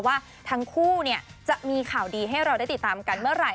ว่าทั้งคู่จะมีข่าวดีให้เราได้ติดตามกันเมื่อไหร